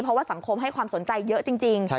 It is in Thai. เพราะว่าสังคมให้ความสนใจเยอะจริง